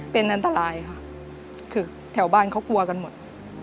เป็นอันตรายค่ะคือแถวบ้านเขากลัวกันหมด